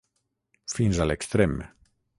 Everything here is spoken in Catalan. Fins a l'extrem.